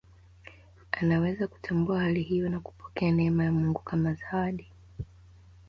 Anaweza kutambua hali hiyo na kupokea neema ya Mungu kama zawadi